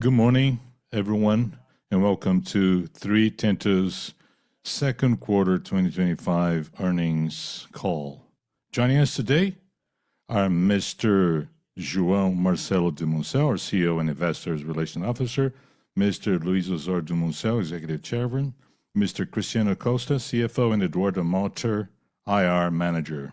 Good morning, everyone, and welcome to Três Tentos Second Quarter 2025 Earnings Call. Joining us today are Mr. João Marcelo Dumoncel, our CEO and Investor Relations Officer; Mr. Luiz Oswaldo Dumoncel, Executive Chairman; Mr. Cristiano Costa, CFO; and Eduardo Malter, IR Manager.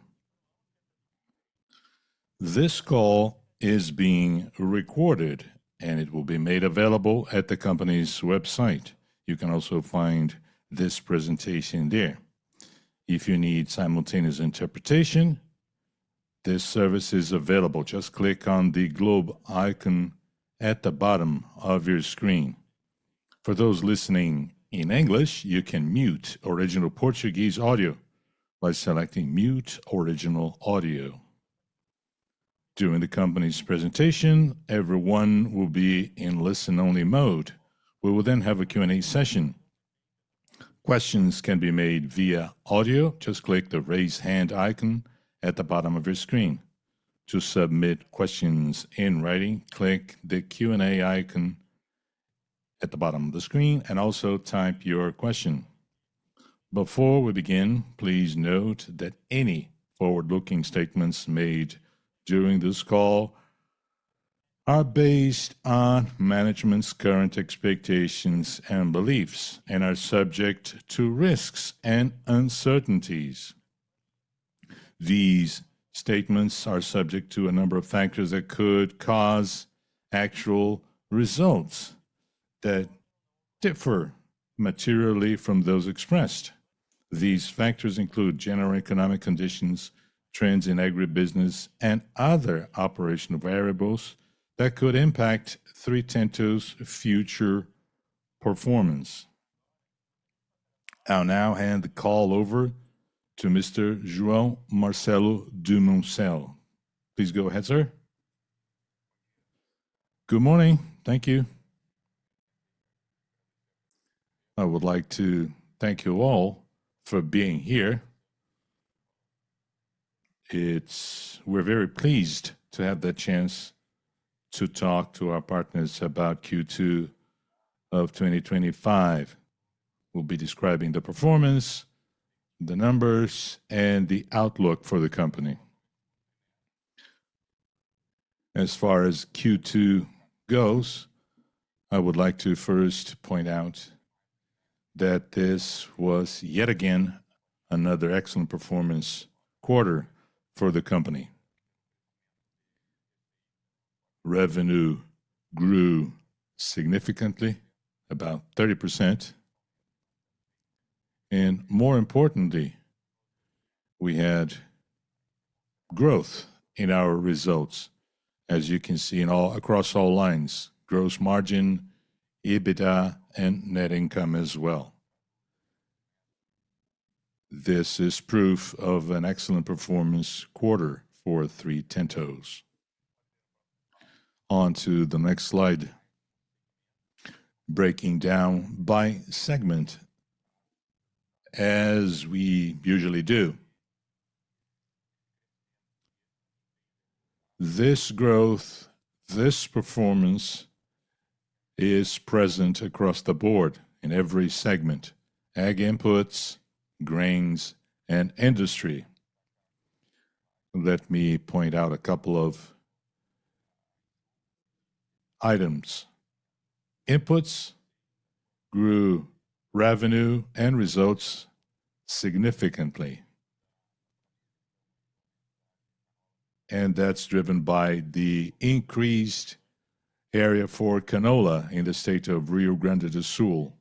This call is being recorded, and it will be made available at the company's website. You can also find this presentation there. If you need simultaneous interpretation, this service is available. Just click on the globe icon at the bottom of your screen. For those listening in English, you can mute original Portuguese audio by selecting Mute Original Audio. During the company's presentation, everyone will be in listen-only mode. We will then have a Q&A session. Questions can be made via audio. Just click the raise hand icon at the bottom of your screen. To submit questions in writing, click the Q&A icon at the bottom of the screen and also type your question. Before we begin, please note that any forward-looking statements made during this call are based on management's current expectations and beliefs and are subject to risks and uncertainties. These statements are subject to a number of factors that could cause actual results to differ materially from those expressed. These factors include general economic conditions, trends in agribusiness, and other operational variables that could impact Três Tentos' future performance. I'll now hand the call over to Mr. João Marcelo Dumoncel. Please go ahead, sir. Good morning. Thank you. I would like to thank you all for being here. We're very pleased to have the chance to talk to our partners about Q2 of 2025. We'll be describing the performance, the numbers, and the outlook for the company. As far as Q2 goes, I would like to first point out that this was yet again another excellent performance quarter for the company. Revenue grew significantly, about 30%. More importantly, we had growth in our results, as you can see across all lines: gross margin, EBITDA, and net income as well. This is proof of an excellent performance quarter for Três Tentos. On to the next slide, breaking down by segment, as we usually do. This growth, this performance is present across the board in every segment: ag inputs, grains, and industry. Let me point out a couple of items. Inputs grew revenue and results significantly. That's driven by the increased area for canola in the State of Rio Grande do Sul.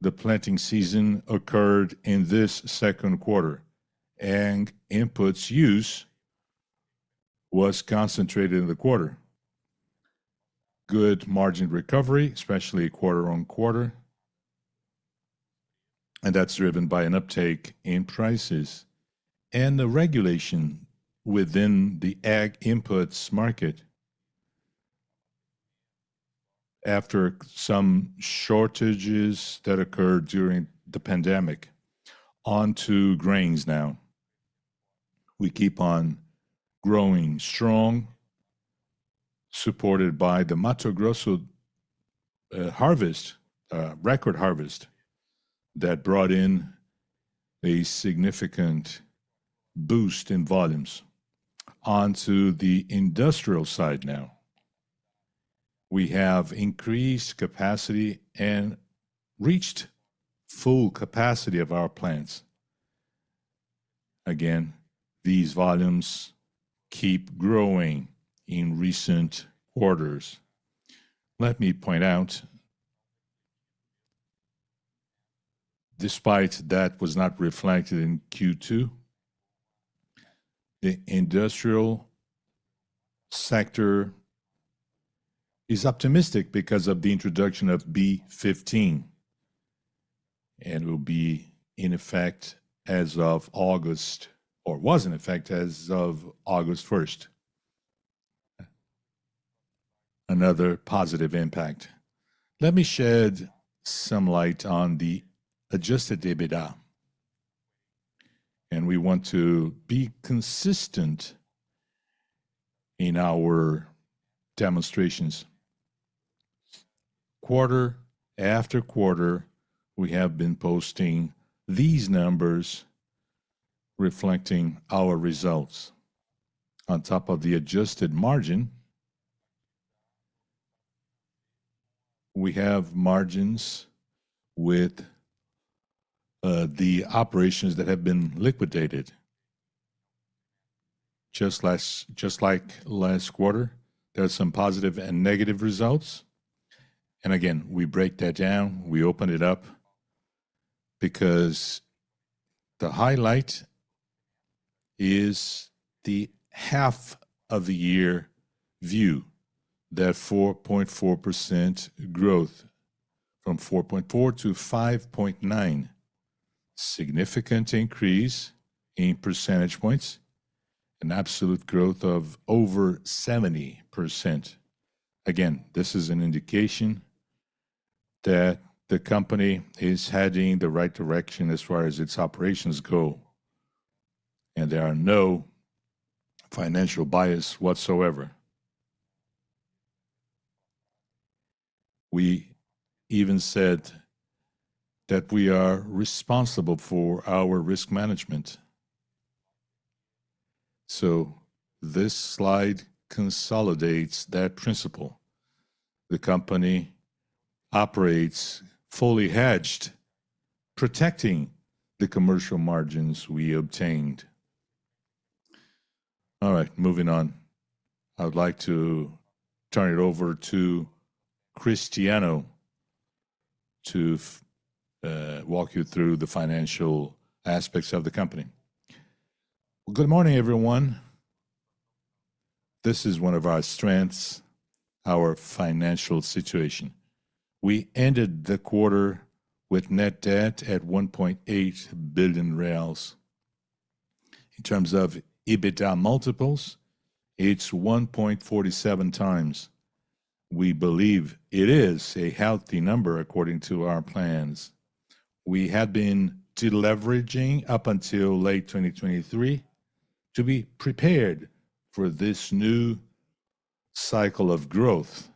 The planting season occurred in this second quarter. Ag inputs use was concentrated in the quarter. Good margin recovery, especially quarter-on-quarter. That's driven by an uptick in prices and the regulation within the Ag inputs market. After some shortages that occurred during the pandemic, on to grains now. We keep on growing strong, supported by the Mato Grosso record harvest that brought in a significant boost in volumes. On to the industrial side now. We have increased capacity and reached full capacity of our plants. Again, these volumes keep growing in recent quarters. Let me point out, despite that was not reflected in Q2, the industrial sector is optimistic because of the introduction of B15. It will be in effect as of August, or was in effect as of August 1st. Another positive impact. Let me shed some light on the adjusted EBITDA. We want to be consistent in our demonstrations. Quarter after quarter, we have been posting these numbers reflecting our results. On top of the adjusted margin, we have margins with the operations that have been liquidated. Just like last quarter, there are some positive and negative results. Again, we break that down. We open it up because the highlight is the half of the year view. That's 4.4% growth from 4.4% to 5.9%. Significant increase in percentage points. An absolute growth of over 70%. This is an indication that the company is heading in the right direction as far as its operations go. There are no financial bias whatsoever. We even said that we are responsible for our risk management. This slide consolidates that principle. The company operates fully hedged, protecting the commercial margins we obtained. All right, moving on. I would like to turn it over to Cristiano to walk you through the financial aspects of the company. Good morning, everyone. This is one of our strengths: our financial situation. We ended the quarter with net debt at R$1.8 billion. In terms of EBITDA multiples, it's 1.47x. We believe it is a healthy number according to our plans. We have been leveraging up until late 2023 to be prepared for this new cycle of growth.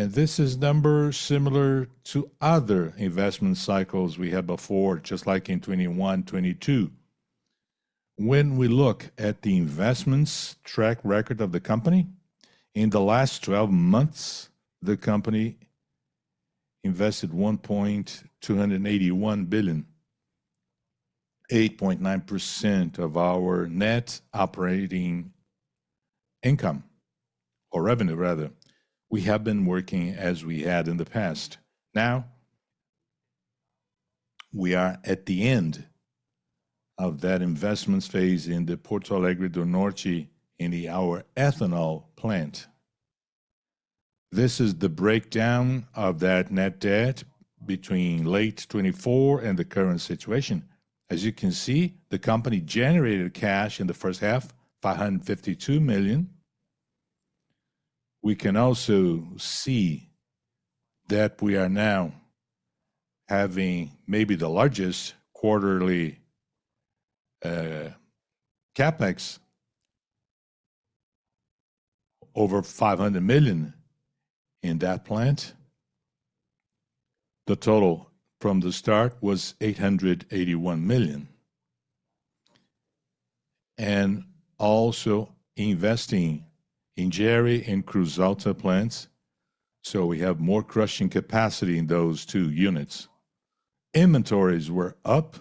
This is a number similar to other investment cycles we had before, just like in 2021 and 2022. When we look at the investments track record of the company, in the last 12 months, the company invested R$1.281 billion, 8.9% of our net operating income, or revenue, rather. We have been working as we had in the past. Now, we are at the end of that investment phase in Porto Alegre do Norte in our ethanol plant. This is the breakdown of that net debt between late 2024 and the current situation. As you can see, the company generated cash in the first half, $552 million. We can also see that we are now having maybe the largest quarterly CapEx, over $500 million in that plant. The total from the start was $881 million. Also investing in Ijui and Cruz Alta plants, so we have more crushing capacity in those two units. Inventories were up,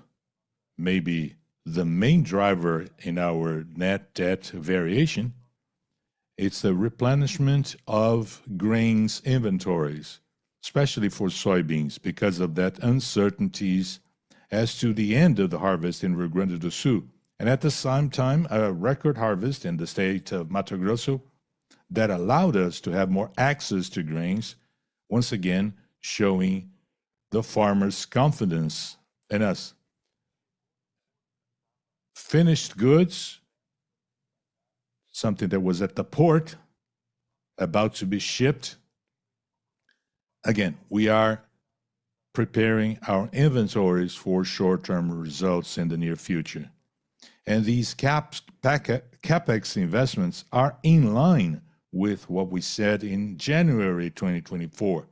maybe the main driver in our net debt variation. It's the replenishment of grains inventories, especially for soybeans, because of the uncertainties as to the end of the harvest in Rio Grande do Sul. At the same time, a record harvest in the state of Mato Grosso allowed us to have more access to grains, once again showing the farmers' confidence in us. Finished goods, something that was at the port, about to be shipped. We are preparing our inventories for short-term results in the near future. These CapEx investments are in line with what we said in January 2024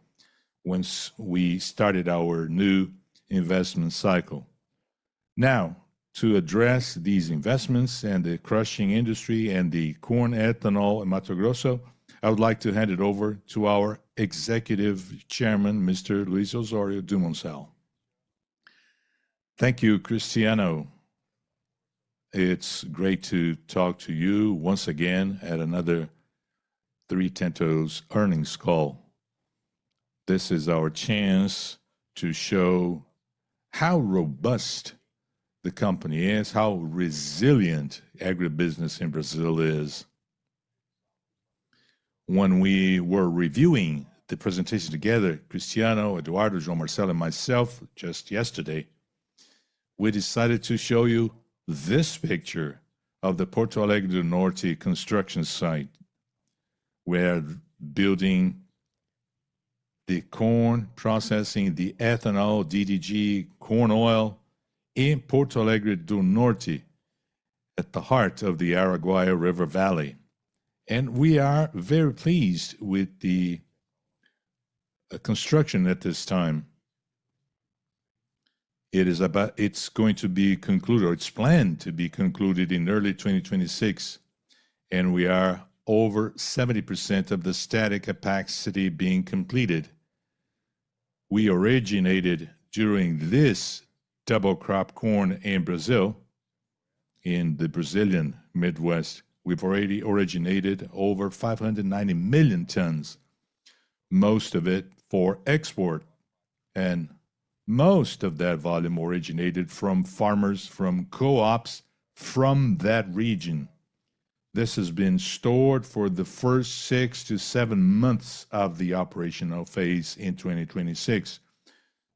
when we started our new investment cycle. Now, to address these investments and the crushing industry and the corn ethanol in Mato Grosso, I would like to hand it over to our Executive Chairman, Mr. Luiz Oswaldo Dumoncel. Thank you, Cristiano. It's great to talk to you once again at another Três Tentos' earnings call. This is our chance to show how robust the company is, how resilient agribusiness in Brazil is. When we were reviewing the presentation together, Cristiano, Eduardo, João Marcelo, and myself, just yesterday, we decided to show you this picture of the Porto Alegre do Norte construction site, where building the corn, processing the ethanol, DDG corn oil in Porto Alegre do Norte, at the heart of the Araguaia River Valley. We are very pleased with the construction at this time. It is about, it's going to be concluded, or it's planned to be concluded in early 2026. We are over 70% of the static capacity being completed. We originated during this double crop corn in Brazil, in the Brazilian Midwest. We've already originated over 590 million tons, most of it for export. Most of that volume originated from farmers, from co-ops, from that region. This has been stored for the first six to seven months of the operational phase in 2026.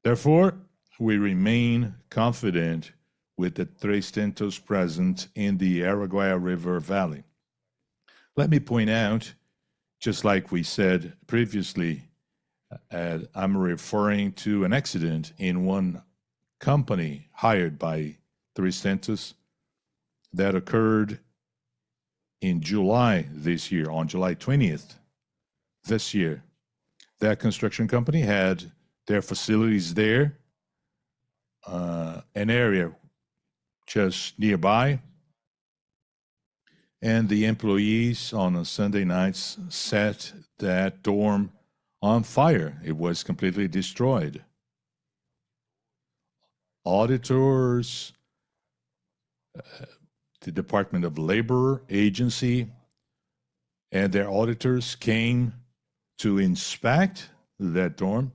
Therefore, we remain confident with the Três Tentos presence in the Araguaia River Valley. Let me point out, just like we said previously, I'm referring to an accident in one company hired by Três Tentos that occurred in July this year, on July 20th this year. That construction company had their facilities there, an area just nearby. The employees on a Sunday night set that dorm on fire. It was completely destroyed. Auditors, the Department of Labor Agency, and their auditors came to inspect that dorm.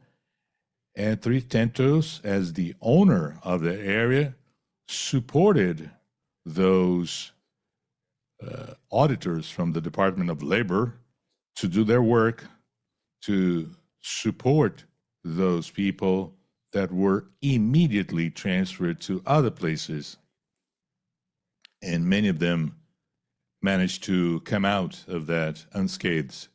Três Tentos, as the owner of the area, supported those auditors from the Department of Labor to do their work, to support those people that were immediately transferred to other places. Many of them managed to come out of that unscathed.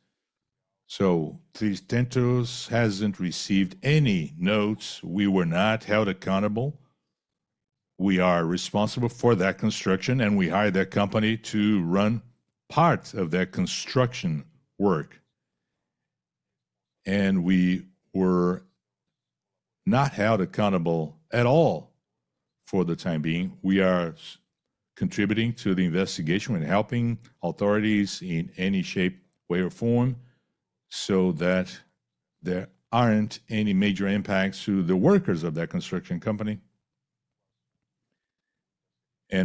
Três Tentos hasn't received any notes. We were not held accountable. We are responsible for that construction, and we hired that company to run part of that construction work. We were not held accountable at all for the time being. We are contributing to the investigation and helping authorities in any shape, way, or form so that there aren't any major impacts to the workers of that construction company.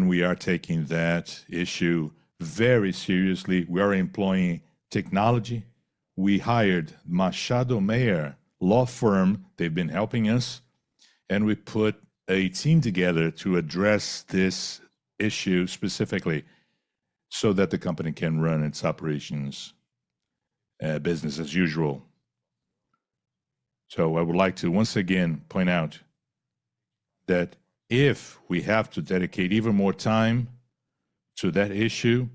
We are taking that issue very seriously. We are employing technology. We hired Machado Meyer Law Firm, they've been helping us. We put a team together to address this issue specifically so that the company can run its operations and business as usual. I would like to once again point out that if we have to dedicate even more time to that issue,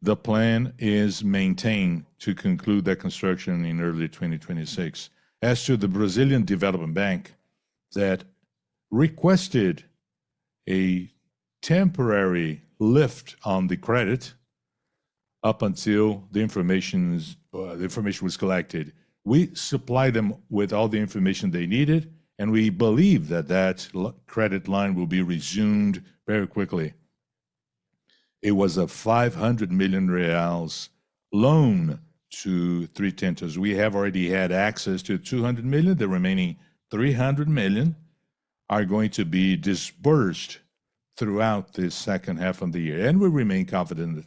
the plan is maintained to conclude that construction in early 2026. As to the Brazilan development bank that requested a temporary lift on the credit up until the information was collected, we supplied them with all the information they needed, and we believe that that credit line will be resumed very quickly. It was a R$500 million loan to Três Tentos. We have already had access to R$200 million. The remaining R$300 million are going to be disbursed throughout this second half of the year. We remain confident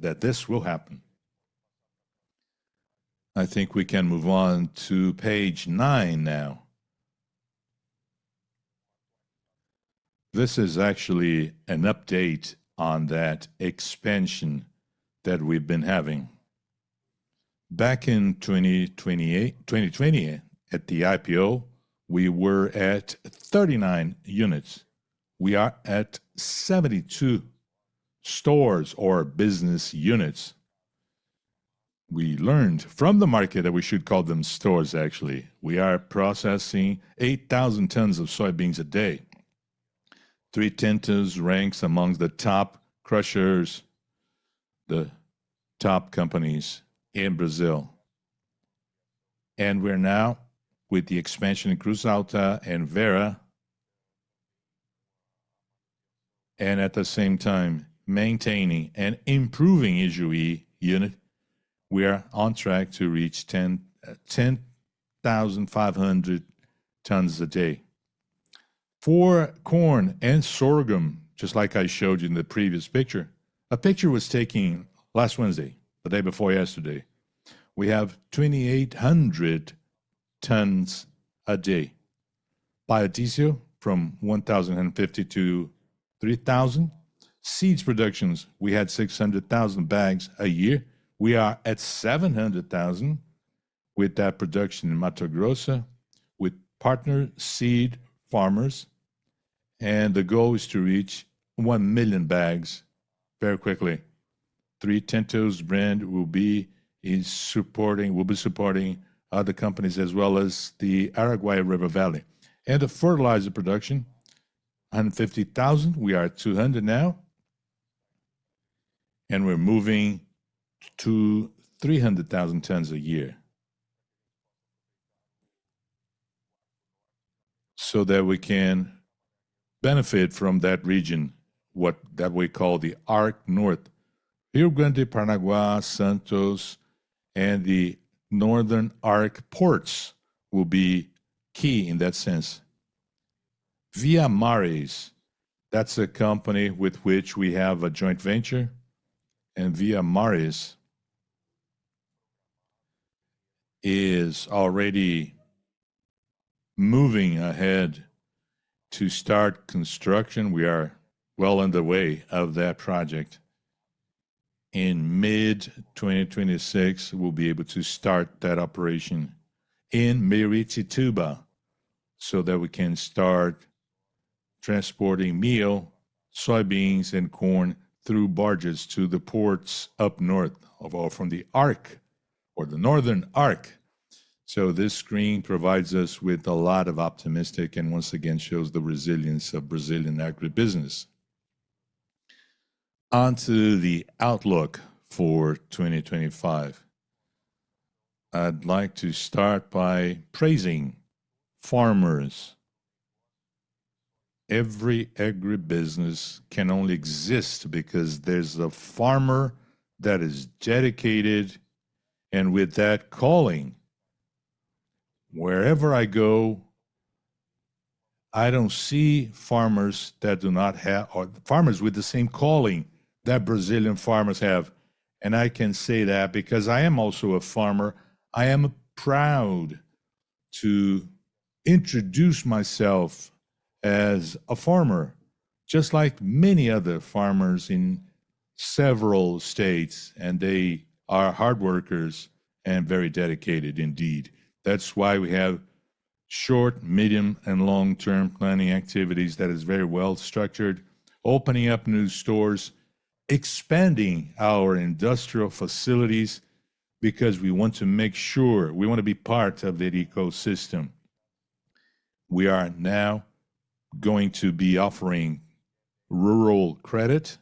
that this will happen. I think we can move on to page nine now. This is actually an update on that expansion that we've been having. Back in 2020, at the IPO, we were at 39 units. We are at 72 stores or business units. We learned from the market that we should call them stores, actually. We are processing 8,000 tons of soybeans a day. Três Tentos ranks among the top crushers, the top companies in Brazil. We are now, with the expansion in Cruz Alta and Vera, and at the same time maintaining and improving the Ijuí unit, on track to reach 10,500 tons a day. For corn and sorghum, just like I showed you in the previous picture—a picture was taken last Wednesday, the day before yesterday—we have 2,800 tons a day. Biodiesel from 1,150 to 3,000. Seeds productions, we had 600,000 bags a year. We are at 700,000 with that production in Mato Grosso, with partner seed farmers, and the goal is to reach 1 million bags very quickly. Três Tentos' brand will be supporting other companies as well as the Araguaia River Valley. The fertilizer production, 150,000, we are at 200,000 now, and we're moving to 300,000 tons a year so that we can benefit from that region, what we call the Arc North. Rio Grande, Paranaguá, Santos, and the Northern Arc ports will be key in that sense. Via Mares, that's a company with which we have a joint venture, is already moving ahead to start construction. We are well on the way of that project. In mid-2026, we'll be able to start that operation in Meritituba so that we can start transporting meal, soybeans, and corn through barges to the ports up north, all from the Arc or the Northern Arc. This screen provides us with a lot of optimism and once again shows the resilience of Brazilian agribusiness. On to the outlook for 2025. I'd like to start by praising farmers. Every agribusiness can only exist because there's a farmer that is dedicated, and with that calling, wherever I go, I don't see farmers that do not have, or farmers with the same calling that Brazilian farmers have. I can say that because I am also a farmer. I am proud to introduce myself as a farmer, just like many other farmers in several states, and they are hard workers and very dedicated indeed. That's why we have short, medium, and long-term planning activities that are very well structured, opening up new stores and expanding our industrial facilities because we want to make sure we want to be part of that ecosystem. We are now going to be offering rural credit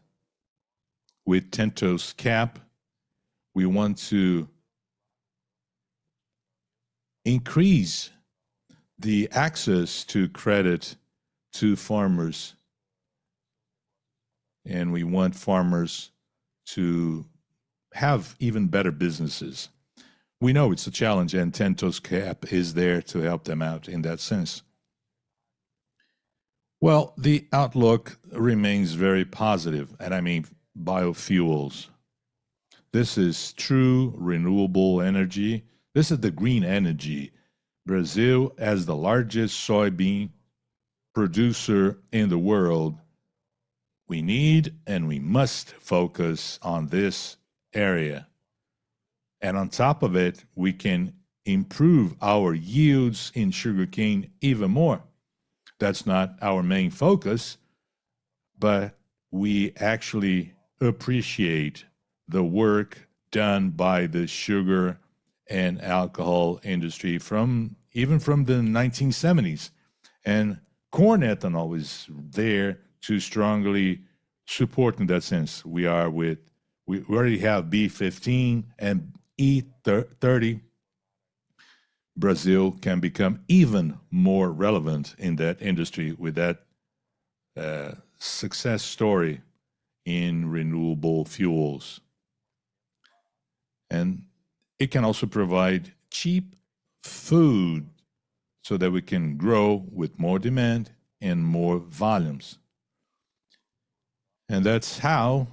with TentosCap. We want to increase the access to credit to farmers, and we want farmers to have even better businesses. We know it's a challenge, and TentosCap is there to help them out in that sense. The outlook remains very positive, and I mean biofuels. This is true renewable energy. This is the green energy. Brazil is the largest soybean producer in the world. We need and we must focus on this area. On top of it, we can improve our yields in sugarcane even more. That's not our main focus, but we actually appreciate the work done by the sugar and alcohol industry even from the 1970s. Corn ethanol is there to strongly support in that sense. We already have B15 and E30. Brazil can become even more relevant in that industry with that success story in renewable fuels. It can also provide cheap food so that we can grow with more demand and more volumes. That's why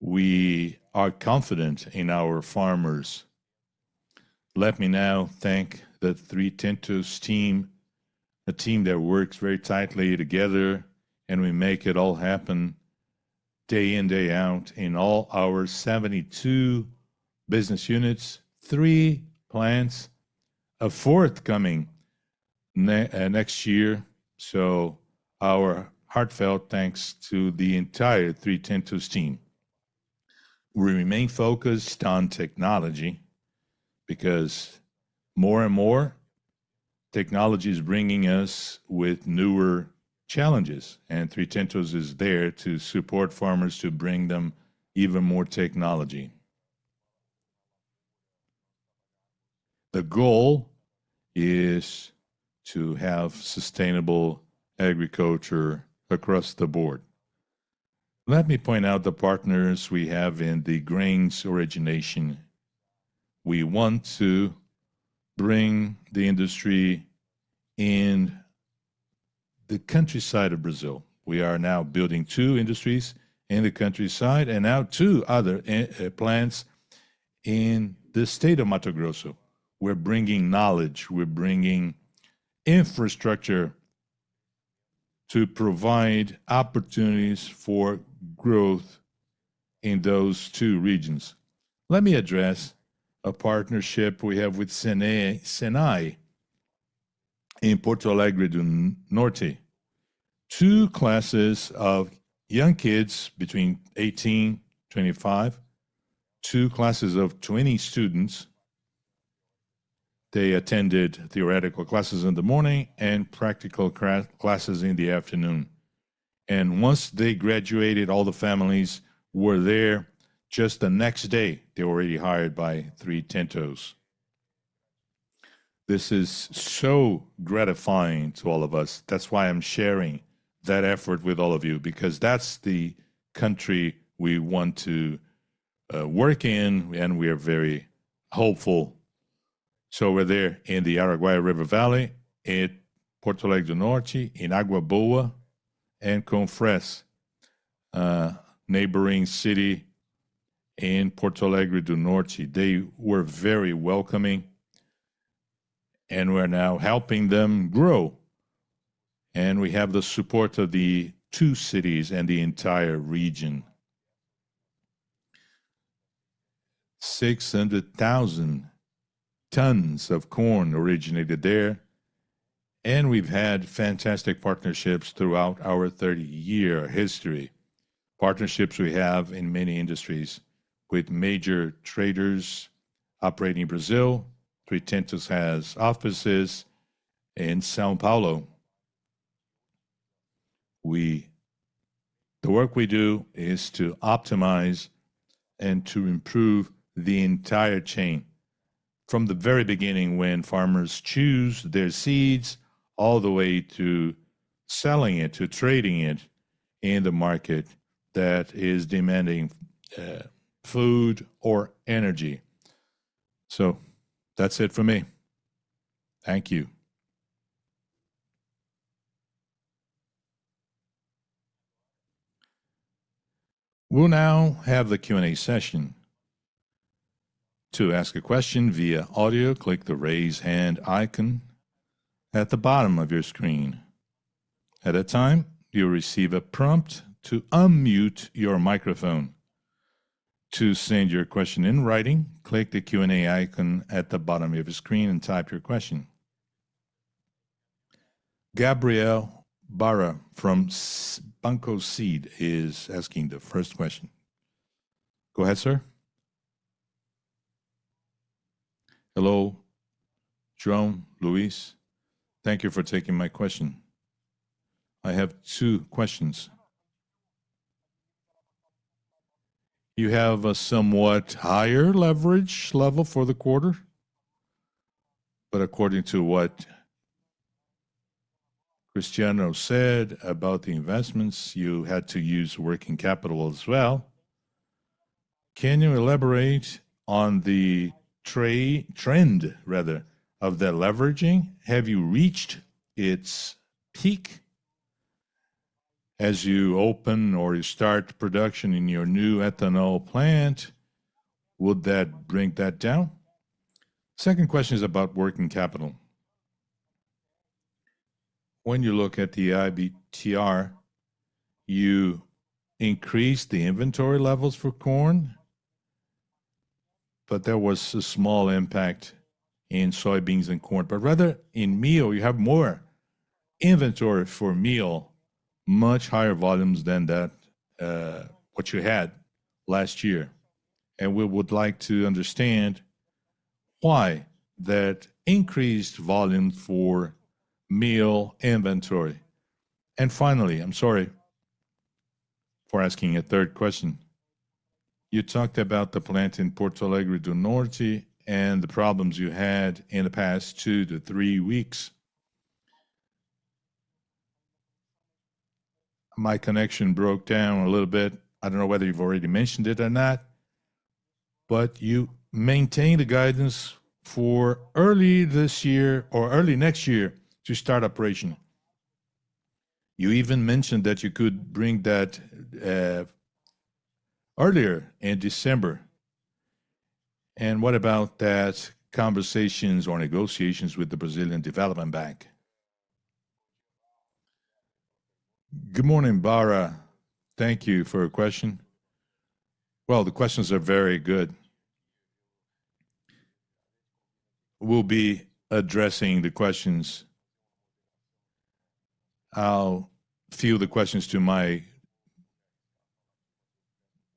we are confident in our farmers. Let me now thank the Três Tentos team, a team that works very tightly together, and we make it all happen day in, day out in all our 72 business units, three plants, a fourth coming next year. Our heartfelt thanks to the entire Três Tentos team. We remain focused on technology because more and more technology is bringing us newer challenges, and Três Tentos is there to support farmers to bring them even more technology. The goal is to have sustainable agriculture across the board. Let me point out the partners we have in the grains origination. We want to bring the industry in the countryside of Brazil. We are now building two industries in the countryside and now two other plants in the state of Mato Grosso. We're bringing knowledge. We're bringing infrastructure to provide opportunities for growth in those two regions. Let me address a partnership we have with Sinai in Porto Alegre do Norte. Two classes of young kids between 18 and 25, two classes of 20 students. They attended theoretical classes in the morning and practical classes in the afternoon. Once they graduated, all the families were there. Just the next day, they were already hired by Três Tentos. This is so gratifying to all of us. That's why I'm sharing that effort with all of you, because that's the country we want to work in, and we are very hopeful. We're there in the Araguaia River Valley, in Porto Alegre do Norte, in Água Boa, and Confresa, a neighboring city in Porto Alegre do Norte. They were very welcoming, and we're now helping them grow. We have the support of the two cities and the entire region. 600,000 tons of corn originated there, and we've had fantastic partnerships throughout our 30-year history. Partnerships we have in many industries with major traders operating in Brazil. Três Tentos has offices in São Paulo. The work we do is to optimize and to improve the entire chain. From the very beginning, when farmers choose their seeds, all the way to selling it, to trading it in the market that is demanding food or energy. That's it for me. Thank you. We'll now have the Q&A session. To ask a question via audio, click the raise hand icon at the bottom of your screen. At a time, you'll receive a prompt to unmute your microphone. To send your question in writing, click the Q&A icon at the bottom of your screen and type your question. Gabriel Barra from Banco Citi is asking the first question. Go ahead, sir. Hello, Luíz. Thank you for taking my question. I have two questions. You have a somewhat higher leverage level for the quarter, but according to what Cristiano said about the investments, you had to use working capital as well. Can you elaborate on the trend, rather, of that leveraging? Have you reached its peak? As you open or you start production in your new ethanol plant, would that bring that down? The second question is about working capital. When you look at the IBTR, you increased the inventory levels for corn, but there was a small impact in soybeans and corn. Rather in meal, you have more inventory for meal, much higher volumes than what you had last year. We would like to understand why that increased volume for meal inventory. Finally, I'm sorry for asking a third question. You talked about the plant in Porto Alegre do Norte and the problems you had in the past two to three weeks. My connection broke down a little bit. I don't know whether you've already mentioned it or not, but you maintained a guidance for early this year or early next year to start operation. You even mentioned that you could bring that earlier in December. What about that conversation or negotiations with the Brazilian Development Bank? Good morning, Barra. Thank you for your question. The questions are very good. We'll be addressing the questions. I'll field the questions to my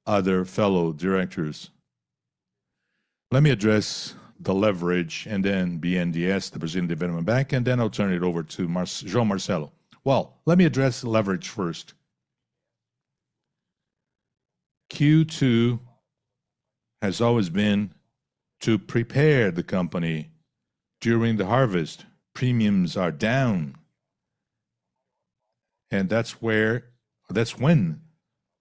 other fellow directors. Let me address the leverage and then BNDES, the Brazilian Development Bank, and then I'll turn it over to João Marcelo. Let me address the leverage first. Q2 has always been to prepare the company during the harvest. Premiums are down. That's when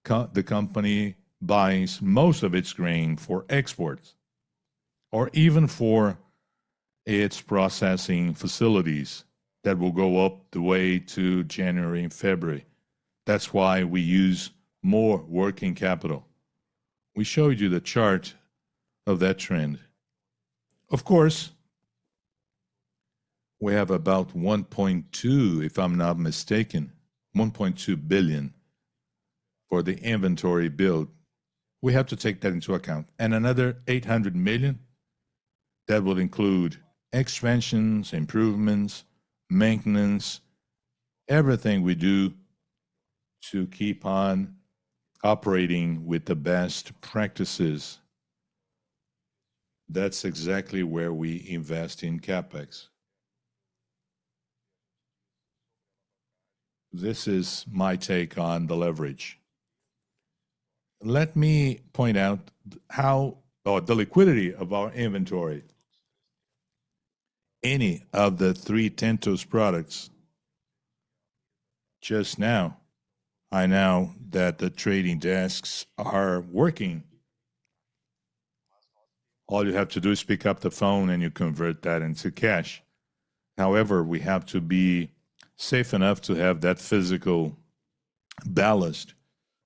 the company buys most of its grain for exports or even for its processing facilities that will go up the way to January and February. That's why we use more working capital. We showed you the chart of that trend. Of course, we have about R$1.2 billion, if I'm not mistaken, R$1.2 billion for the inventory build. We have to take that into account, and another R$800 million that will include expansions, improvements, maintenance, everything we do to keep on operating with the best practices. That's exactly where we invest in CapEx. This is my take on the leverage. Let me point out how, or the liquidity of our inventory. Any of the Três Tentos products just now, I know that the trading desks are working. All you have to do is pick up the phone and you convert that into cash. However, we have to be safe enough to have that physical ballast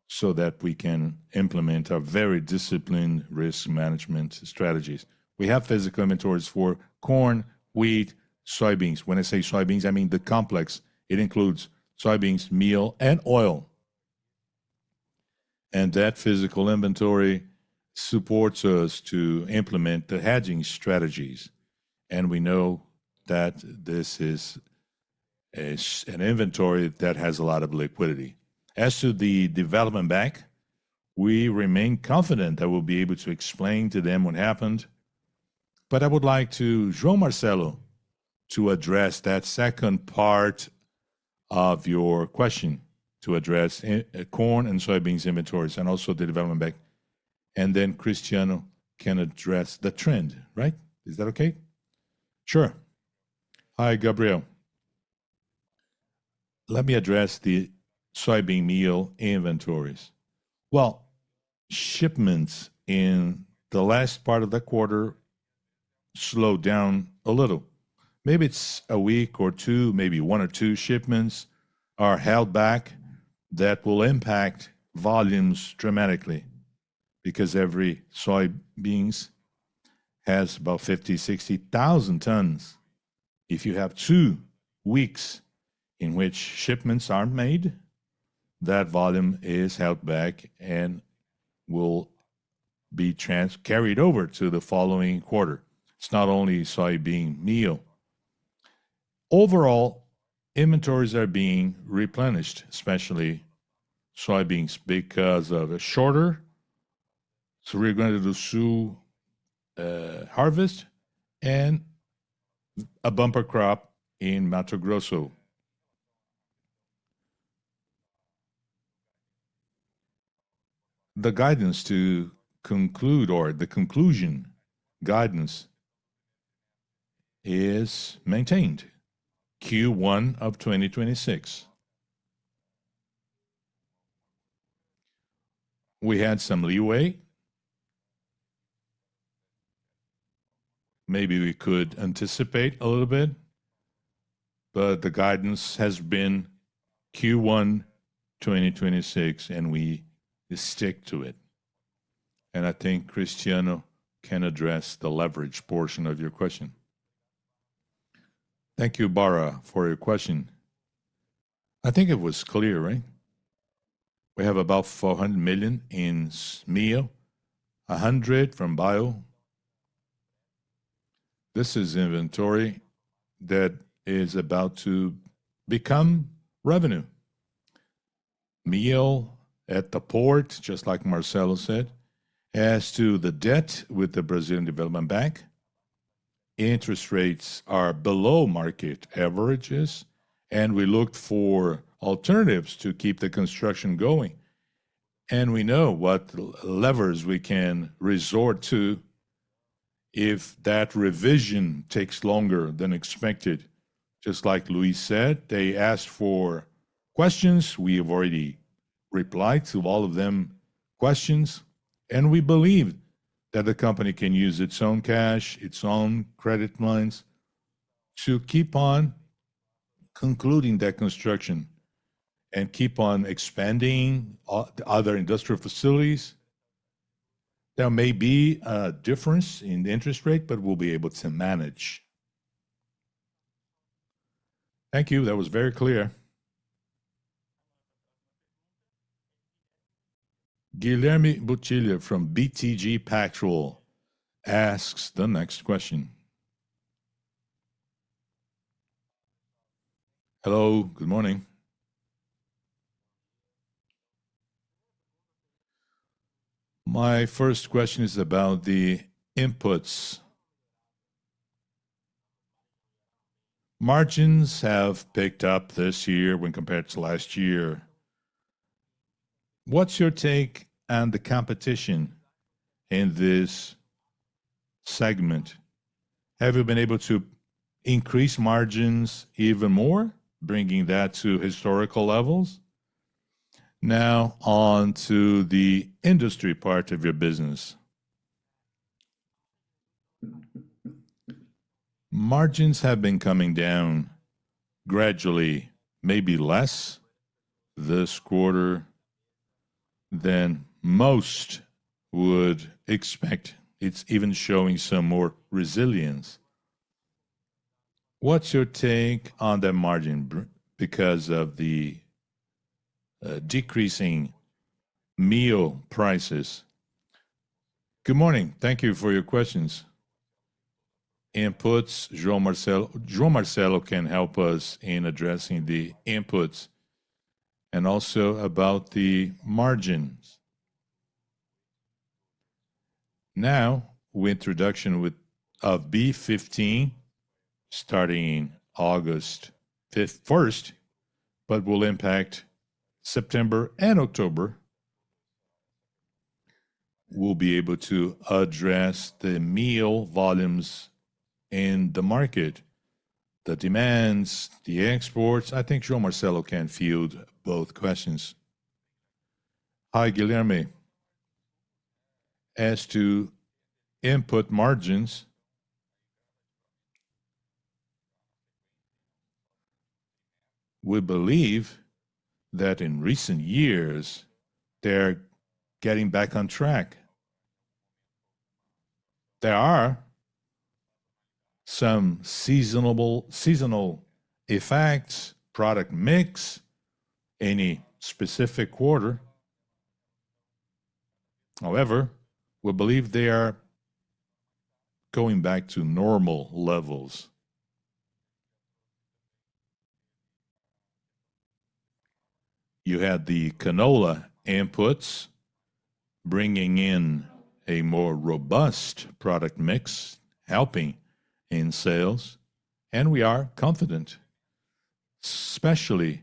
so that we can implement our very disciplined risk management strategies. We have physical inventories for corn, wheat, soybeans. When I say soybeans, I mean the complex. It includes soybeans, meal, and oil. That physical inventory supports us to implement the hedging strategies. We know that this is an inventory that has a lot of liquidity. As to the Development Bank, we remain confident that we'll be able to explain to them what happened. I would like João Marcelo to address that second part of your question, to address corn and soybeans inventories and also the Development Bank. Then Cristiano can address the trend, right? Is that okay? Sure. Hi, Gabriel. Let me address the soybean meal inventories. Shipments in the last part of the quarter slowed down a little. Maybe it's a week or two, maybe one or two shipments are held back. That will impact volumes dramatically because every soybean has about 50,000, 60,000 tons. If you have two weeks in which shipments are made, that volume is held back and will be carried over to the following quarter. It's not only soybean meal. Overall, inventories are being replenished, especially soybeans, because of a shorter Rio Grande do Sul harvest and a bumper crop in Mato Grosso. The guidance to conclude, or the conclusion guidance is maintained Q1 of 2026. We had some leeway. Maybe we could anticipate a little bit, but the guidance has been Q1 2026, and we stick to it. I think Cristiano can address the leverage portion of your question. Thank you, Barra, for your question. I think it was clear, right? We have about R$400 million in meal, R$100 million from bio. This is inventory that is about to become revenue. Meal at the port, just like Marcelo said. As to the debt with the Brazilian Development Bank, interest rates are below market averages, and we looked for alternatives to keep the construction going. We know what levers we can resort to if that revision takes longer than expected. Just like Luiz said, they asked for questions. We have already replied to all of those questions. We believe that the company can use its own cash, its own credit lines to keep on concluding that construction and keep on expanding other industrial facilities. There may be a difference in the interest rate, but we'll be able to manage. Thank you. That was very clear. Guilherme Guttilla from BTG Pactual asks the next question. Hello, good morning. My first question is about the inputs. Margins have picked up this year when compared to last year. What's your take on the competition in this segment? Have you been able to increase margins even more, bringing that to historical levels? Now on to the industry part of your business. Margins have been coming down gradually, maybe less this quarter than most would expect. It's even showing some more resilience. What's your take on that margin because of the decreasing meal prices? Good morning. Thank you for your questions. Inputs, João Marcelo can help us in addressing the inputs and also about the margins. Now, with introduction with a B-5 starting in August 1, but will impact September and October, we'll be able to address the meal volumes in the market, the demands, the exports. I think João Marcelo can field both questions. Hi, Guilherme. As to input margins, we believe that in recent years, they're getting back on track. There are some seasonal effects, product mix, any specific quarter. However, we believe they are going back to normal levels. You had the canola inputs bringing in a more robust product mix, helping in sales, and we are confident, especially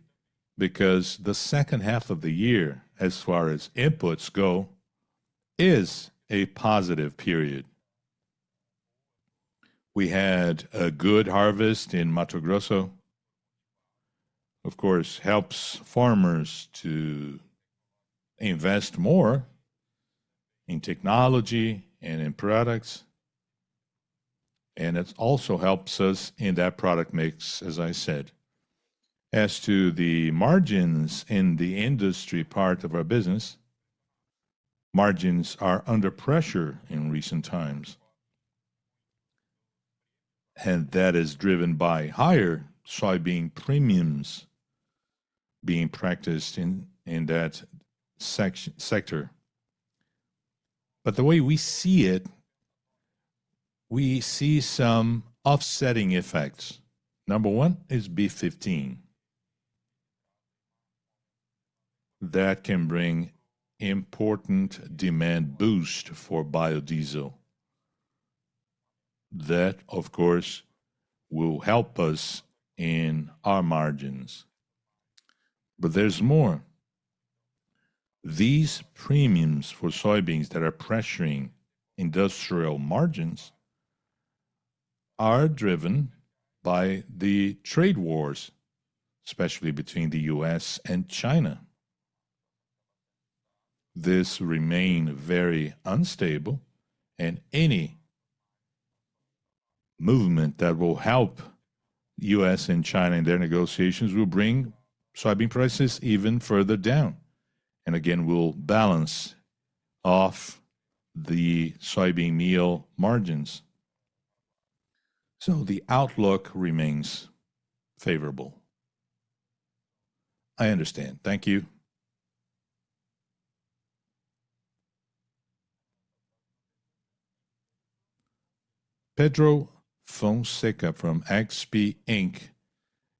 because the second half of the year, as far as inputs go, is a positive period. We had a good harvest in Mato Grosso. Of course, it helps farmers to invest more in technology and in products, and it also helps us in that product mix, as I said. As to the margins in the industry part of our business, margins are under pressure in recent times, and that is driven by higher soybean premiums being practiced in that sector. The way we see it, we see some offsetting effects. Number one is B15. That can bring an important demand boost for biodiesel. That, of course, will help us in our margins. There's more. These premiums for soybeans that are pressuring industrial margins are driven by the trade wars, especially between the U.S., and China. This remains very unstable, and any movement that will help the U.S, and China in their negotiations will bring soybean prices even further down. We'll balance off the soybean meal margins. The outlook remains favorable. I understand. Thank you. Pedro Fonseca from XP Inc.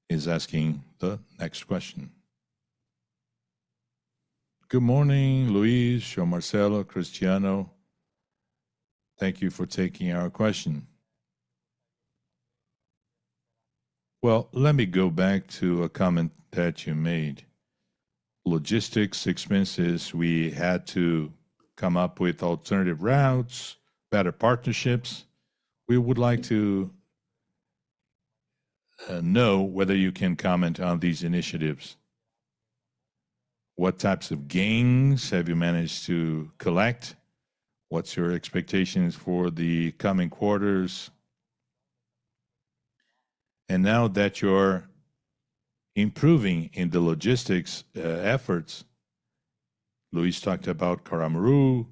is asking the next question. Good morning, Luiz, João Marcelo, Cristiano. Thank you for taking our question. Let me go back to a comment that you made. Logistics expenses, we had to come up with alternative routes, better partnerships. We would like to know whether you can comment on these initiatives. What types of gains have you managed to collect? What's your expectations for the coming quarters? Now that you're improving in the logistics efforts, Luiz talked about Caramuru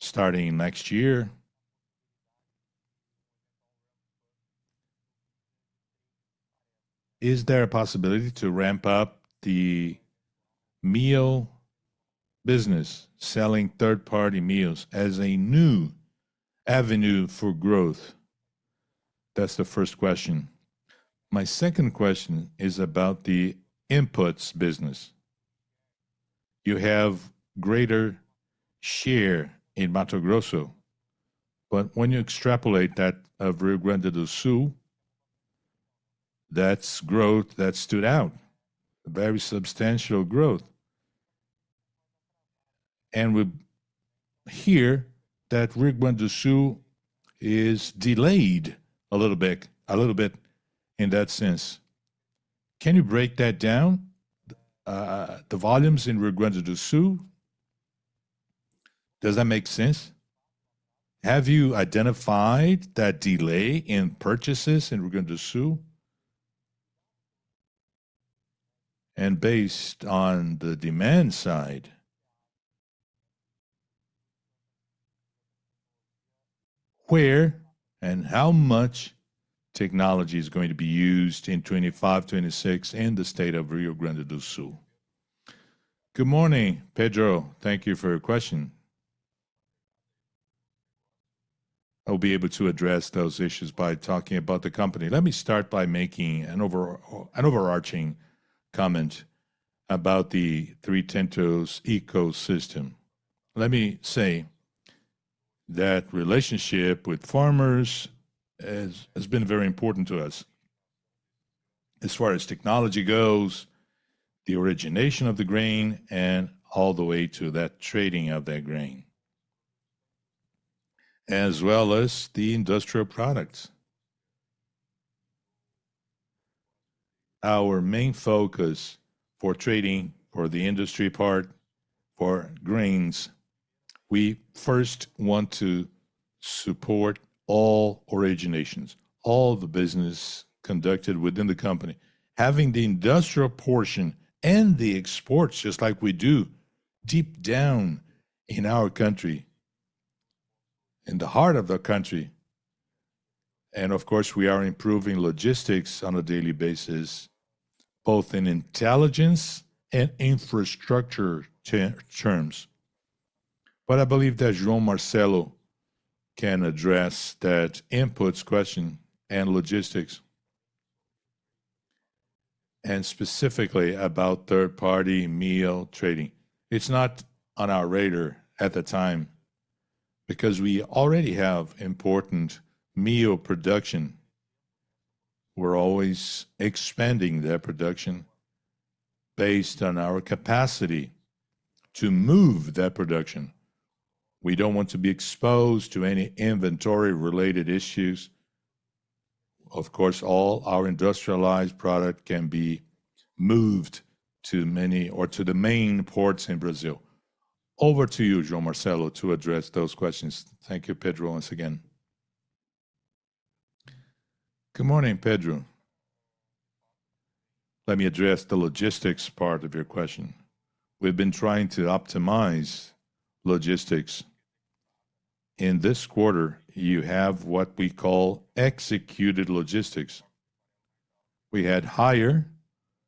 starting next year. Is there a possibility to ramp up the meal business, selling third-party meals as a new avenue for growth? That's the first question. My second question is about the inputs business. You have greater share in Mato Grosso. When you extrapolate that of Rio Grande do Sul, that's growth that stood out, a very substantial growth. We hear that Rio Grande do Sul is delayed a little bit, a little bit in that sense. Can you break that down? The volumes in Rio Grande do Sul? Does that make sense? Have you identified that delay in purchases in Rio Grande do Sul? Based on the demand side, where and how much technology is going to be used in 2025, 2026 in the state of Rio Grande do Sul? Good morning, Pedro. Thank you for your question. I'll be able to address those issues by talking about the company. Let me start by making an overarching comment about the Três Tentos ecosystem. Let me say that relationship with farmers has been very important to us. As far as technology goes, the origination of the grain, and all the way to that trading of that grain, as well as the industrial products. Our main focus for trading, for the industry part, for grains, we first want to support all originations, all the businesses conducted within the company, having the industrial portion and the exports, just like we do, deep down in our country, in the heart of the country. We are improving logistics on a daily basis, both in intelligence and infrastructure terms. I believe that João Marcelo can address that inputs question and logistics, and specifically about third-party meal trading. It's not on our radar at the time because we already have important meal production. We're always expanding that production based on our capacity to move that production. We don't want to be exposed to any inventory-related issues. Of course, all our industrialized product can be moved to many or to the main ports in Brazil. Over to you, João Marcelo, to address those questions. Thank you, Pedro, once again. Good morning, Pedro. Let me address the logistics part of your question. We've been trying to optimize logistics. In this quarter, you have what we call executed logistics. We had higher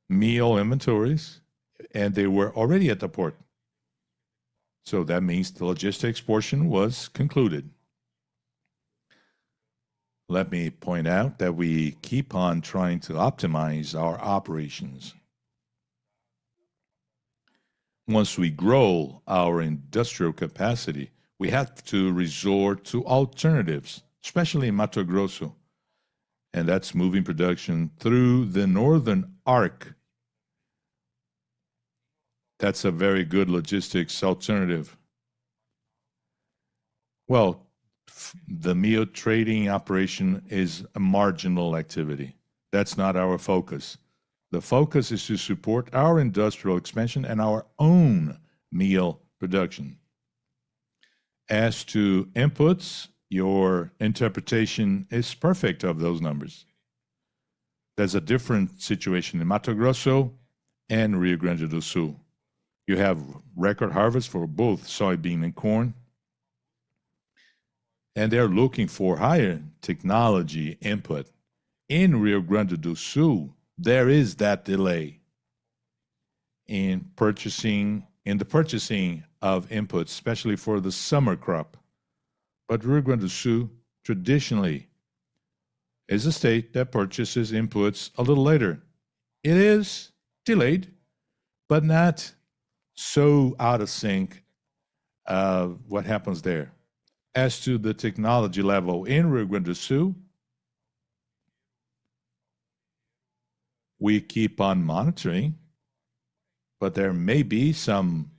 meal inventories, and they were already at the port. That means the logistics portion was concluded. Let me point out that we keep on trying to optimize our operations. Once we grow our industrial capacity, we had to resort to alternatives, especially Mato Grosso. That's moving production through the northern Arc. That's a very good logistics alternative. The meal trading operation is a marginal activity. That's not our focus. The focus is to support our industrial expansion and our own meal production. As to inputs, your interpretation is perfect of those numbers. There's a different situation in Mato Grosso and Rio Grande do Sul. You have record harvests for both soybean and corn, and they're looking for higher technology input. In Rio Grande do Sul, there is that delay in the purchasing of inputs, especially for the summer crop. Rio Grande do Sul traditionally is a state that purchases inputs a little later. It is delayed, but not so out of sync of what happens there. As to the technology level in Rio Grande do Sul, we keep on monitoring, but there may be some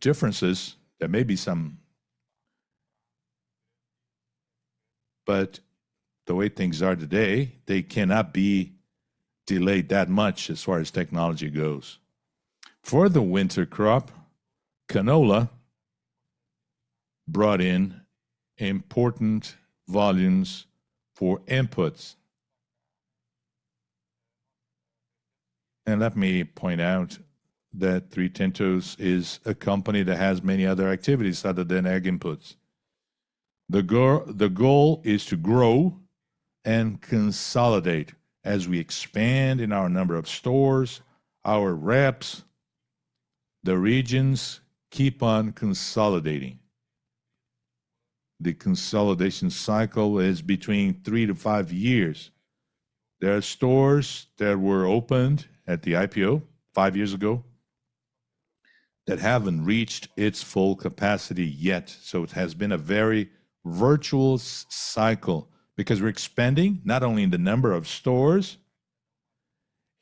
differences. There may be some, but the way things are today, they cannot be delayed that much as far as technology goes. For the winter crop, canola brought in important volumes for inputs. Let me point out that Três Tentos is a company that has many other activities other than ag inputs. The goal is to grow and consolidate. As we expand in our number of stores, our reps, the regions keep on consolidating. The consolidation cycle is between three to five years. There are stores that were opened at the IPO five years ago that haven't reached its full capacity yet. It has been a very virtuous cycle because we're expanding not only in the number of stores,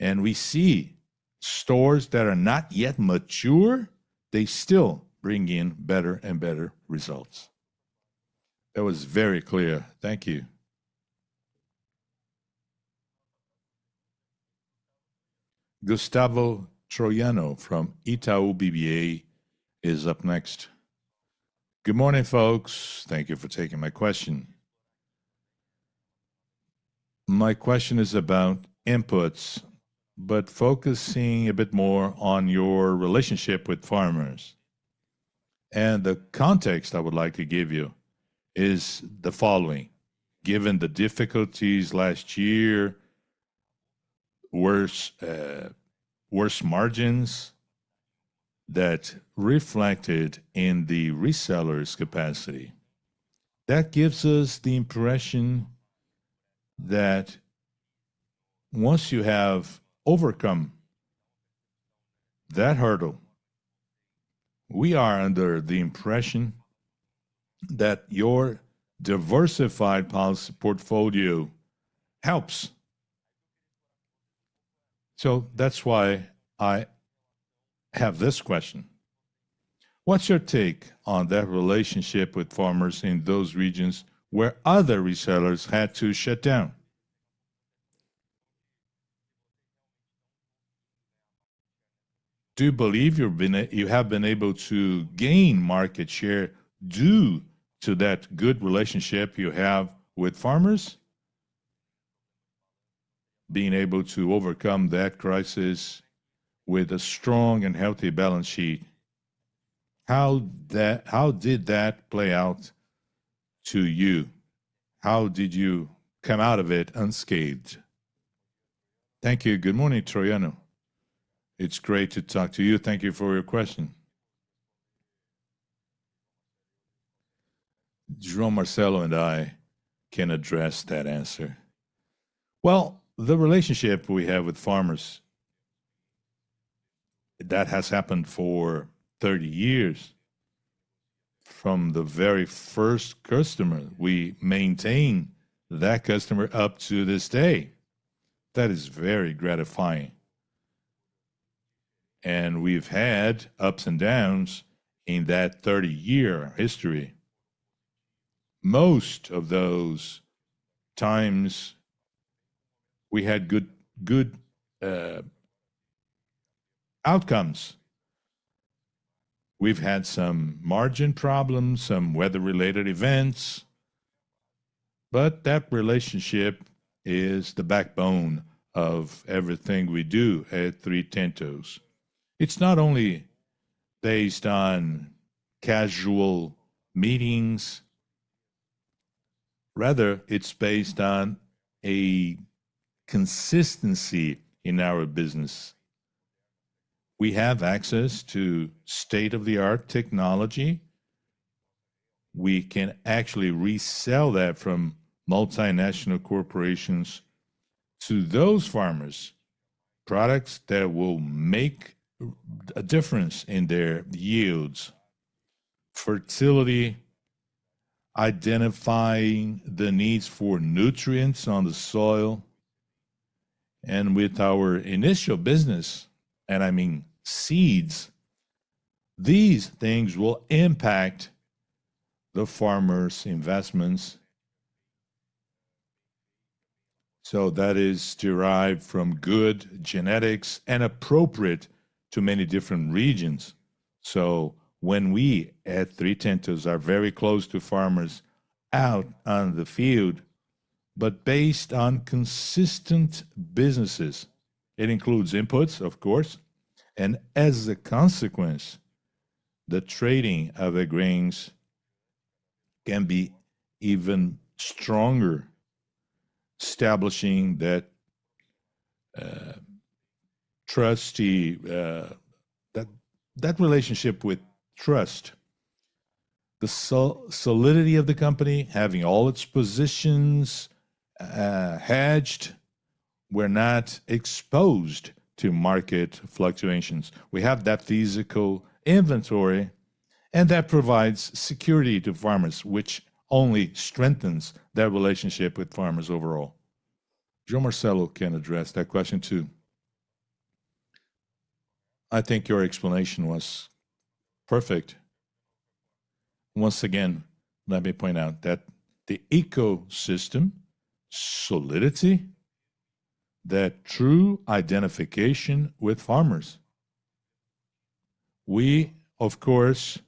and we see stores that are not yet mature, they still bring in better and better results. That was very clear. Thank you. Gustavo Troyano from Itaú BBA is up next. Good morning, folks. Thank you for taking my question. My question is about inputs, but focusing a bit more on your relationship with farmers. The context I would like to give you is the following. Given the difficulties last year, worse margins that reflected in the resellers' capacity, that gives us the impression that once you have overcome that hurdle, we are under the impression that your diversified policy portfolio helps. That's why I have this question. What's your take on that relationship with farmers in those regions where other resellers had to shut down? Do you believe you have been able to gain market share due to that good relationship you have with farmers? Being able to overcome that crisis with a strong and healthy balance sheet. How did that play out to you? How did you come out of it unscathed? Thank you. Good morning, Troyano. It's great to talk to you. Thank you for your question. João Marcelo and I can address that answer. The relationship we have with farmers, that has happened for 30 years. From the very first customer, we maintain that customer up to this day. That is very gratifying. We've had ups and downs in that 30-year history. Most of those times, we had good outcomes. We've had some margin problems, some weather-related events, but that relationship is the backbone of everything we do at Três Tentos. It's not only based on casual meetings. Rather, it's based on a consistency in our business. We have access to state-of-the-art technology. We can actually resell that from multinational corporations to those farmers, products that will make a difference in their yields, fertility, identifying the needs for nutrients on the soil, and with our initial business, and I mean seeds, these things will impact the farmer's investments. That is derived from good genetics and appropriate to many different regions. When we at Três Tentos are very close to farmers out on the field, but based on consistent businesses, it includes inputs, of course, and as a consequence, the trading of the grains can be even stronger, establishing that trust, that relationship with trust, the solidity of the company, having all its positions hedged. We're not exposed to market fluctuations. We have that physical inventory, and that provides security to farmers, which only strengthens that relationship with farmers overall. João Marcelo can address that question too. I think your explanation was perfect. Once again, let me point out that the ecosystem solidity, that true identification with farmers. We, of course,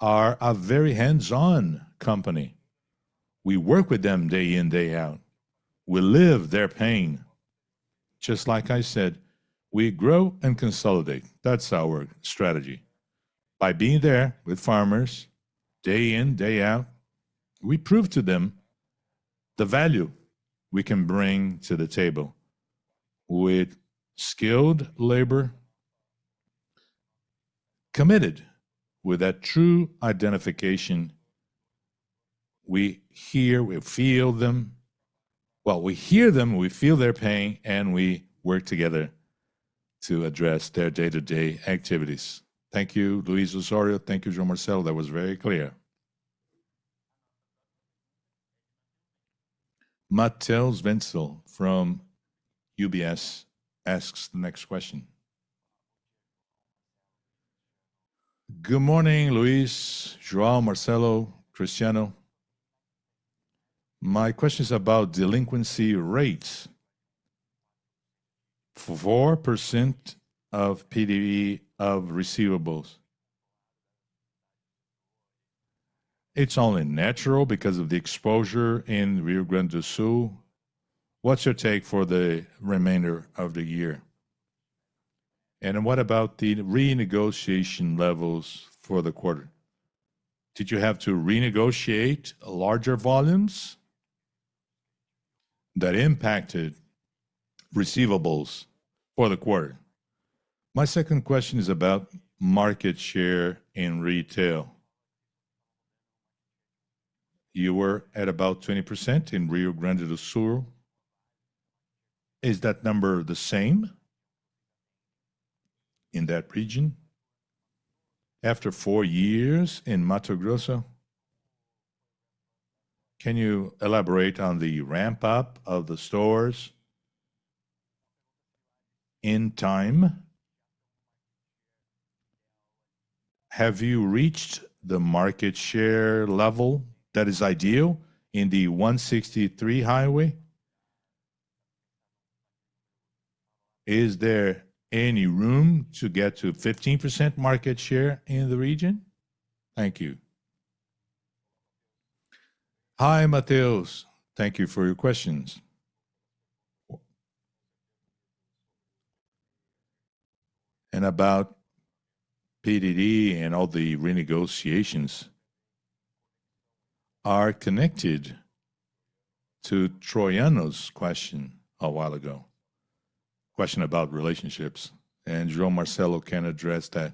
are a very hands-on company. We work with them day in, day out. We live their pain. Just like I said, we grow and consolidate. That's our strategy. By being there with farmers, day in, day out, we prove to them the value we can bring to the table with skilled labor, committed with that true identification. We hear, we feel them. We hear them, we feel their pain, and we work together to address their day-to-day activities. Thank you, Luiz Oswaldo. Thank you, João Marcelo. That was very clear. Matheus Enfeldt from UBS asks the next question. Good morning, Luiz, João, Marcelo, Cristiano. My question is about delinquency rates. 4% of PDV of receivables. It's only natural because of the exposure in Rio Grande do Sul. What's your take for the remainder of the year? What about the renegotiation levels for the quarter? Did you have to renegotiate larger volumes that impacted receivables for the quarter? My second question is about market share in retail. You were at about 20% in Rio Grande do Sul. Is that number the same in that region? After four years in Mato Grosso, can you elaborate on the ramp-up of the stores? In time, have you reached the market share level that is ideal in the 163 highway? Is there any room to get to 15% market share in the region? Thank you. Hi, Matheus. Thank you for your questions. About PDV and all the renegotiations are connected to Troiano's question a while ago, a question about relationships. João Marcelo can address that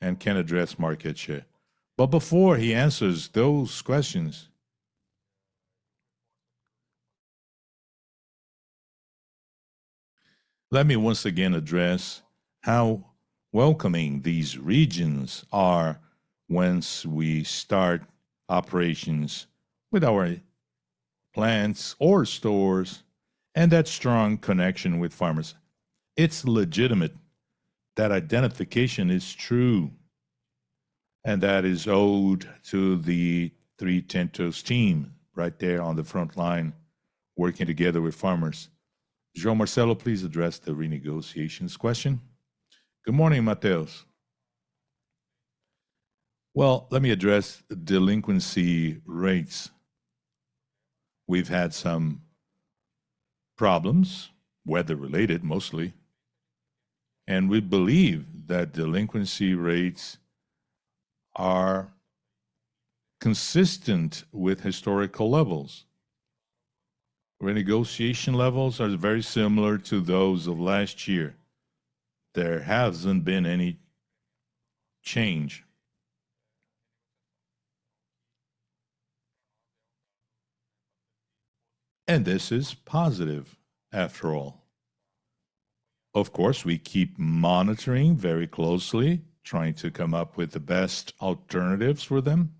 and can address market share. Before he answers those questions, let me once again address how welcoming these regions are once we start operations with our plants or stores and that strong connection with farmers. It's legitimate. That identification is true. That is owed to the Três Tentos team right there on the front line, working together with farmers. João Marcelo, please address the renegotiations question. Good morning, Matheus. Let me address delinquency rates. We've had some problems, weather-related mostly, and we believe that delinquency rates are consistent with historical levels. Renegotiation levels are very similar to those of last year. There hasn't been any change, and this is positive, after all. Of course, we keep monitoring very closely, trying to come up with the best alternatives for them.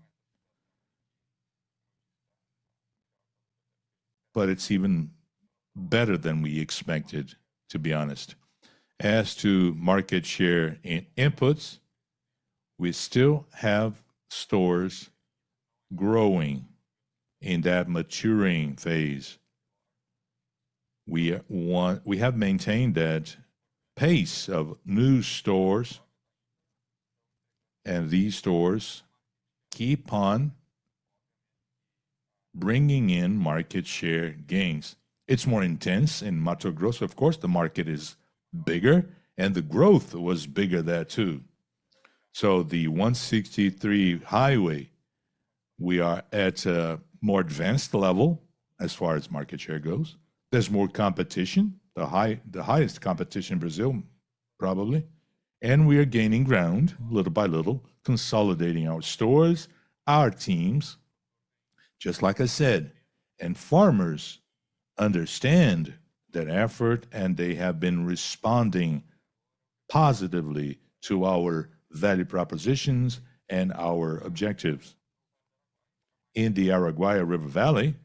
It's even better than we expected, to be honest. As to market share in inputs, we still have stores growing in that maturing phase. We have maintained that pace of new stores, and these stores keep on bringing in market share gains. It's more intense in Mato Grosso. Of course, the market is bigger, and the growth was bigger there too. Along the 163 Highway, we are at a more advanced level as far as market share goes. There's more competition, the highest competition in Brazil, probably. We are gaining ground little by little, consolidating our stores, our teams, just like I said. Farmers understand that effort, and they have been responding positively to our value propositions and our objectives. In the Araguaia River Valley,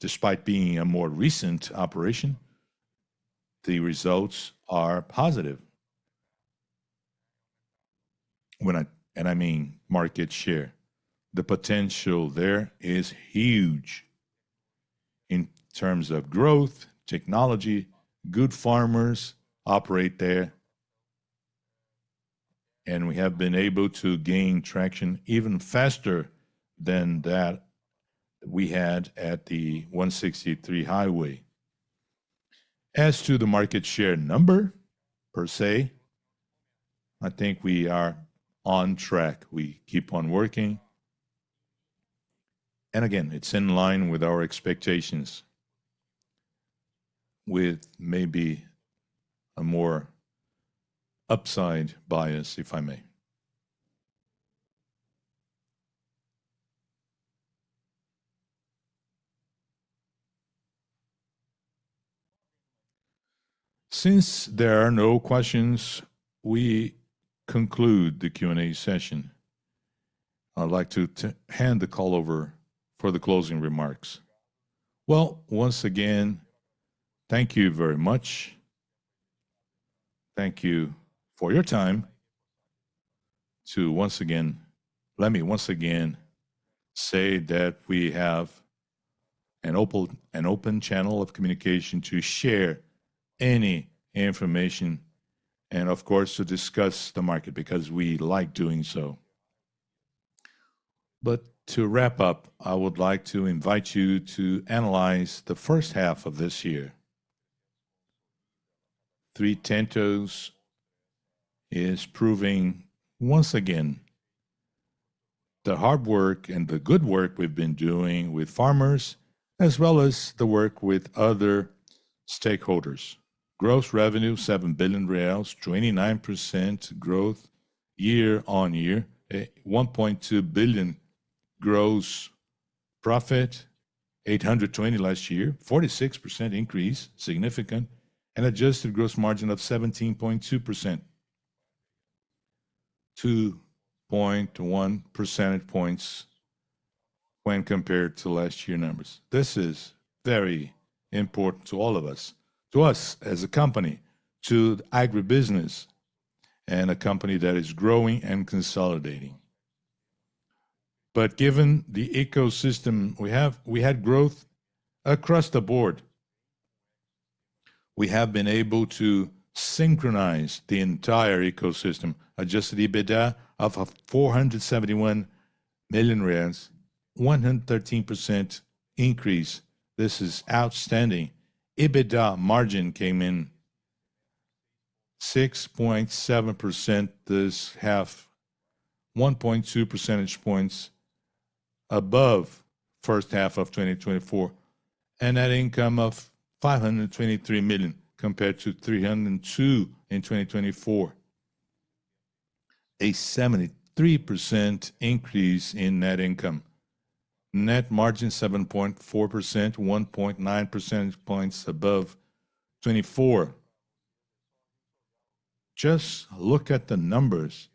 despite being a more recent operation, the results are positive. I mean market share. The potential there is huge in terms of growth, technology. Good farmers operate there. We have been able to gain traction even faster than we had at the 163 Highway. As to the market share number, per se, I think we are on track. We keep on working, and again, it's in line with our expectations, with maybe a more upside bias, if I may. Since there are no questions, we conclude the Q&A session. I'd like to hand the call over for the closing remarks. Thank you very much. Thank you for your time. Let me once again say that we have an open channel of communication to share any information and, of course, to discuss the market because we like doing so. To wrap up, I would like to invite you to analyze the first half of this year. Três Tentos is proving once again the hard work and the good work we've been doing with farmers, as well as the work with other stakeholders. Gross revenue, R$7 billion, 29% growth year-on-year, R$1.2 billion gross profit, R$820 million last year, 46% increase, significant, and adjusted gross margin of 17.2%. 2.1 percentage points when compared to last year's numbers. This is very important to all of us, to us as a company, to the agribusiness, and a company that is growing and consolidating. Given the ecosystem we have, we had growth across the board. We have been able to synchronize the entire ecosystem, adjusted EBITDA of R$471 million, 113% increase. This is outstanding. EBITDA margin came in at 6.7% this half, 1.2 percentage points above the first half of 2024, and an income of R$523 million compared to R$302 million in 2024. A 73% increase in net income. Net margin 7.4%, 1.9 percentage points above 2024. Just look at the numbers.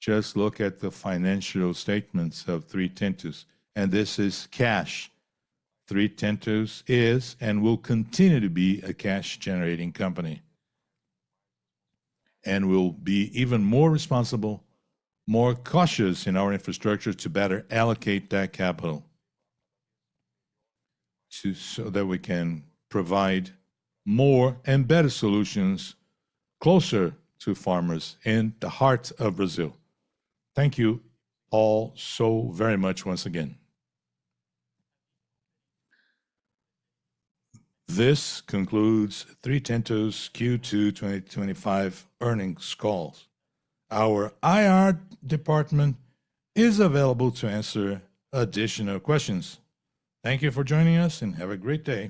Just look at the financial statements of Três Tentos and this is cash. Três Tentos is and will continue to be a cash-generating company. We will be even more responsible, more cautious in our infrastructure to better allocate that capital, so that we can provide more and better solutions closer to farmers in the heart of Brazil. Thank you all so very much once again. This concludes Três Tentos Q2 2025 Earnings call. Our IR department is available to answer additional questions. Thank you for joining us and have a great day.